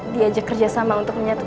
diajak kerjasama untuk mencari nyokap gue